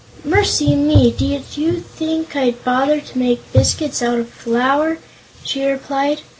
"Mercy me! do you think I'd bother to make biscuits out of flour?" she replied.